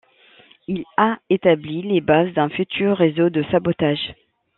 Il a établi les bases d'un futur réseau de sabotage.